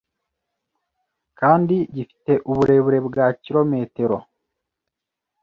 kandi gifite uburebure bwa kilometero